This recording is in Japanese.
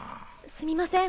すみません